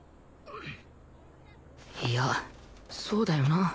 いやそうだよな